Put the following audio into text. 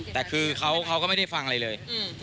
แต่คือเขาก็ไม่ได้ฟังอะไรเลย